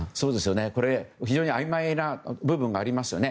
これ、非常にあいまいな部分がありますよね。